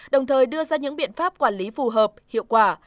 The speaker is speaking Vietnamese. đồng thời đưa ra những biện pháp quản lý phù hợp hiệu quả